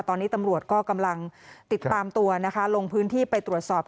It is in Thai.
ตอนนี้ตำรวจก็กำลังติดตามตัวนะคะลงพื้นที่ไปตรวจสอบ